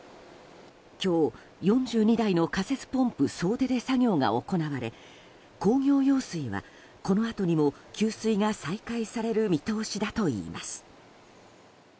今日、４２台の仮設ポンプ総出で作業が行われ工業用水は、このあとにも給水が再開される見通しだといいます。